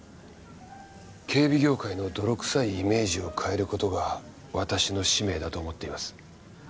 警備業界の泥臭いイメージを変える事が私の使命だと思っています。